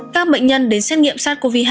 các bệnh nhân đến xét nghiệm sars cov hai